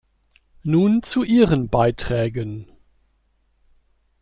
Nun zu Ihren Beiträgen.